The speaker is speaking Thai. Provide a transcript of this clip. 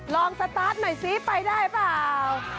สตาร์ทหน่อยซิไปได้เปล่า